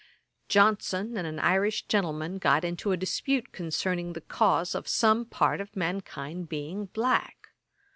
Johnson and an Irish gentleman got into a dispute concerning the cause of some part of mankind being black.